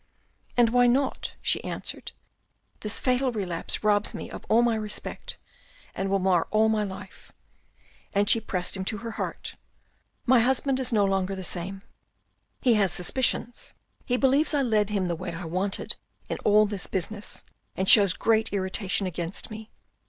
"And why not?" she answered. " This fatal relapse robs me of all my respect and will mar all my life," and she AN AMBITIOUS MAN 229 pressed him to her heart. My husband is no longer the same ; he has suspicions, he believes I led him the way I wanted in all this business, and shows great irritation against me.